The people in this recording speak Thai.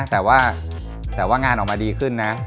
แต่ว่างานออกมาดีขึ้นนะ